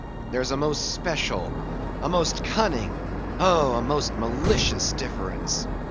There's a most special, a most cunning, oh, a most malicious difference!